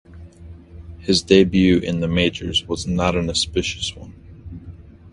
His debut in the majors was not an auspicious one.